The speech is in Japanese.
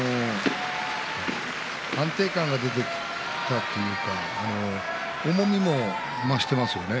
安定感が出てきたというか重みも増していますよね。